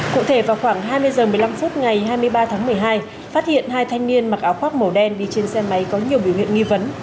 cụ thể vào khoảng hai mươi h một mươi năm phút ngày hai mươi ba tháng một mươi hai phát hiện hai thanh niên mặc áo khoác màu đen đi trên xe máy có nhiều biểu hiện nghi vấn